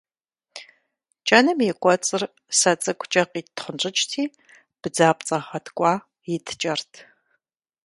КӀэным и кӀуэцӀыр сэ цӀыкӀукӀэ къиттхъунщӀыкӀти, бдзапцӀэ гъэткӀуа иткӀэрт.